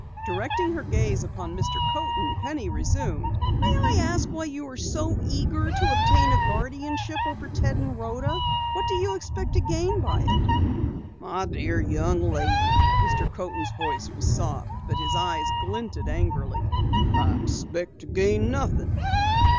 Directing her gaze upon Mr. Coaten, Penny resumed: "May I ask why you are so eager to obtain a guardianship over Ted and Rhoda? What do you expect to gain by it?" "My dear young lady " Mr. Coaten's voice was soft but his eyes glinted angrily. "I expect to gain nothing."